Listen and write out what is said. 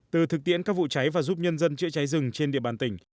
từ thực tiễn các vụ cháy và giúp nhân dân chữa cháy rừng trên địa bàn tỉnh